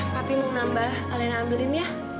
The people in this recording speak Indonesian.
papi mau nambah alena ambilin ya